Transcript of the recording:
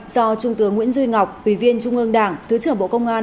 do trung tướng nguyễn duy ngọc ủy viên trung ương đảng thứ trưởng bộ công an